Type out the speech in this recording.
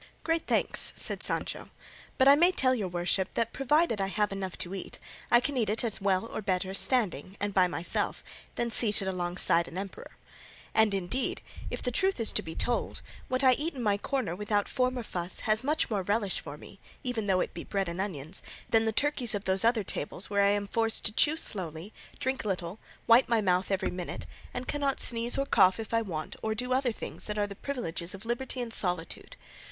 "Great thanks," said Sancho, "but I may tell your worship that provided I have enough to eat, I can eat it as well, or better, standing, and by myself, than seated alongside of an emperor. And indeed, if the truth is to be told, what I eat in my corner without form or fuss has much more relish for me, even though it be bread and onions, than the turkeys of those other tables where I am forced to chew slowly, drink little, wipe my mouth every minute, and cannot sneeze or cough if I want or do other things that are the privileges of liberty and solitude.